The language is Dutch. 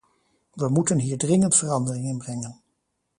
We moeten hier dringend verandering in brengen.